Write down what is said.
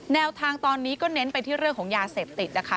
แนวทางตอนนี้ก็เน้นไปที่เรื่องของยาเสพติดนะคะ